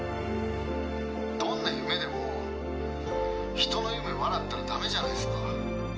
「どんな夢でも人の夢笑ったらダメじゃないですか」